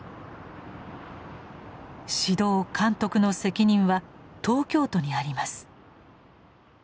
指導監督の責任は東京都にあります。